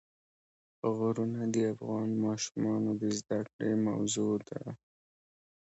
غرونه د افغان ماشومانو د زده کړې موضوع ده.